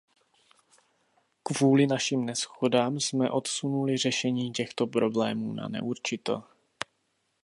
Kvůli našim neshodám jsme odsunuli řešení těchto problémů na neurčito.